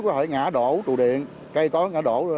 có thể ngã đổ trụ điện cây tón ngã đổ